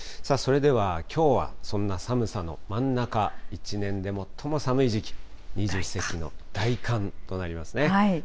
それでは、きょうはそんな寒さの真ん中、１年で最も寒い時期、二十四節気の大寒となりますね。